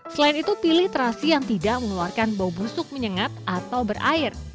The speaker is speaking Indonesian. selain itu pilih terasi yang tidak mengeluarkan bau busuk menyengat atau berair